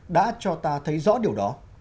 đã cho ta thấy rõ điều đó